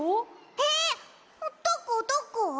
えっどこどこ？